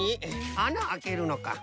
あなあけるのか。